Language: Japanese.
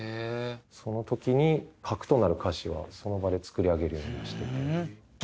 その時に核となる歌詞はその場で作り上げるようにはしてて。